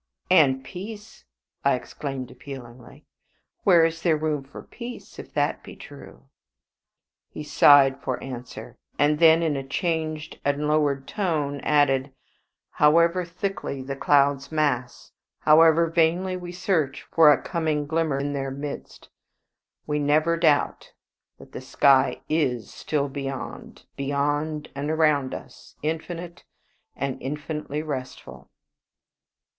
"And peace," I exclaimed, appealingly. "Where is there room for peace, if that be true?" He sighed for answer, and then in a changed and lower tone added, "However thickly the clouds mass, however vainly we search for a coming glimmer in their midst, we never doubt that the sky IS still beyond beyond and around us, infinite and infinitely restful."